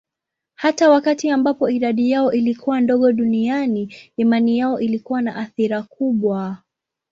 Hata wakati ambapo idadi yao ilikuwa ndogo duniani, imani yao ilikuwa na athira kubwa.